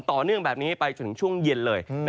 ต่อเนื่องแบบนี้ไปจนถึงช่วงเย็นเลย